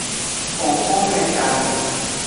Fonfonme gane.